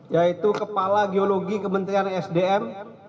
yaitu kepala geologi kementerian sdm